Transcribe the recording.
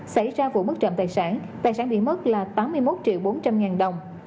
xảy ra vụ mất trộm tài sản tài sản bị mất là tám mươi một triệu bốn trăm linh ngàn đồng